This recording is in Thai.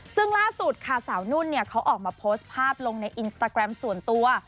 ซึ่งล่าสุดค่ะสาวนุ่นเขาออกมาโพสต์ภาพลงในอินสตาแกรมส่วนตัว